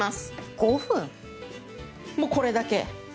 もうこれだけ。